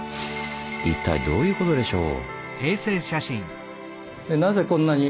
一体どういうことでしょう？